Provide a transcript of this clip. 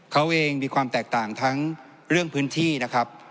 เขาเองมีความแตกต่างทั้งเรื่องพื้นที่นะครับ